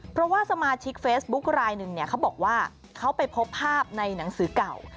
เพราะว่าสมาชิกเฟซบุ๊คลายหนึ่งเนี่ยเขาบอกว่าเขาไปพบภาพในหนังสือเก่า